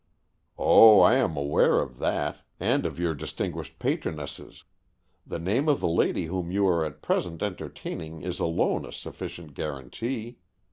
"Oh, I am aware of that, and of your distinguished patronesses. The name of the lady whom you are at present entertaining is alone a sufficient guarantee.